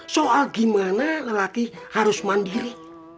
soal gimana lelaki harus mandiri